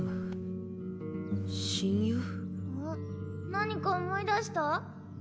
何か思い出した？